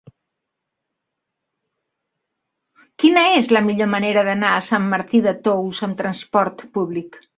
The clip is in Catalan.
Quina és la millor manera d'anar a Sant Martí de Tous amb trasport públic?